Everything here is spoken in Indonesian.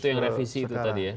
itu yang revisi itu tadi ya